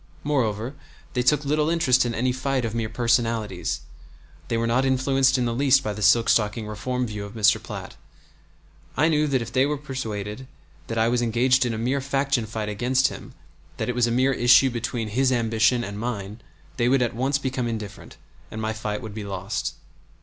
Moreover, they took little interest in any fight of mere personalities. They were not influenced in the least by the silk stocking reform view of Mr. Platt. I knew that if they were persuaded that I was engaged in a mere faction fight against him, that it was a mere issue between his ambition and mine, they would at once become indifferent, and my fight would be lost.